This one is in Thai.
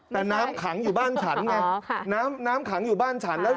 แต่น้ำขังอยู่บ้านฉันไงน้ำน้ำขังอยู่บ้านฉันแล้ว